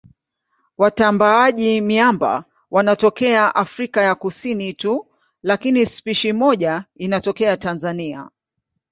Watambaaji-miamba wanatokea Afrika ya Kusini tu lakini spishi moja inatokea Tanzania.